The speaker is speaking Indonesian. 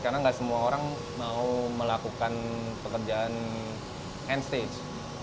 karena nggak semua orang mau melakukan pekerjaan hand stitch